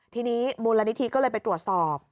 ทีนี้มูลนิธิก็เลยไปตรวจสอบ